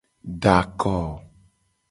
Da ako.